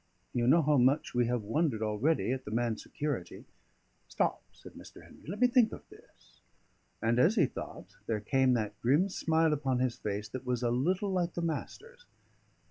You know how much we have wondered already at the man's security." "Stop," said Mr. Henry. "Let me think of this." And as he thought, there came that grim smile upon his face that was a little like the Master's.